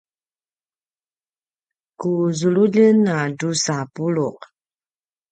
ku zululjen a drusa puluq